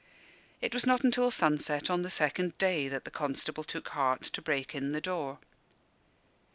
It was not until sunset on the second day that the constable took heart to break in the door.